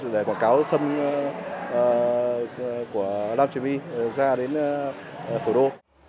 để quảng cáo sâm của nam trà my ra đến thủ đô